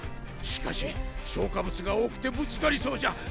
しかし消化物が多くてぶつかりそうじゃ。